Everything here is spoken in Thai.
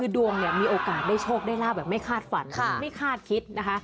ดวงเนี่ยมีโอกาสได้โชคได้ลาบแบบไม่คาดฝันไม่คาดคิดนะคะ